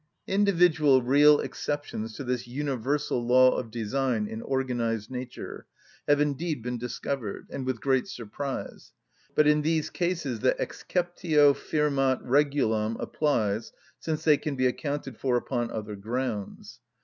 Individual real exceptions to this universal law of design in organised nature have indeed been discovered, and with great surprise; but in these cases that exceptio firmat regulam applies, since they can be accounted for upon other grounds.